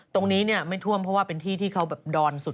ตรงนี้ไม่ท่วมเพราะว่าเป็นที่ที่เขาแบบดอนสุด